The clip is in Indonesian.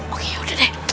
oke udah deh